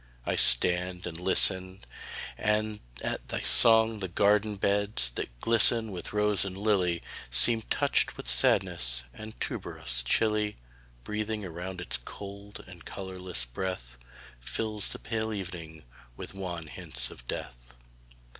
I stand and listen, And at thy song the garden beds, that glisten With rose and lily, Seem touched with sadness; and the tuberose chilly, Breathing around its cold and colorless breath, Fills the pale evening with wan hints of death.